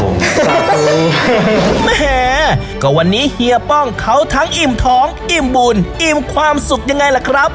แหมก็วันนี้เฮียป้องเขาทั้งอิ่มท้องอิ่มบุญอิ่มความสุขยังไงล่ะครับ